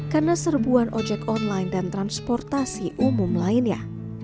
karena serbuan ojek online dan transportasi umum lainnya